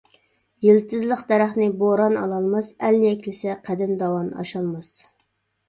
يىلتىزلىق دەرەخنى بوران ئالالماس، ئەل يەكلىسە قەدەم داۋان ئاشالماس.